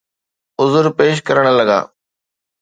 عذر پيش ڪرڻ لڳا.